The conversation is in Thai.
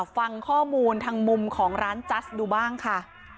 ฟังข้อมูลทางมุมของร้านจัสดูบ้างค่ะ